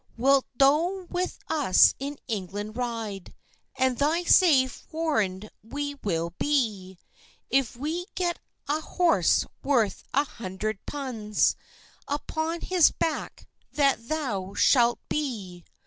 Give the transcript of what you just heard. "Wilt thou with us in England ride, And thy safe warrand we will be? If we get a horse worth a hundred punds, Upon his back that thou shalt be."